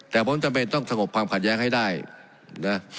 แต่ผมจำเป็นต้องสงบความขัดแย้งให้ได้นะ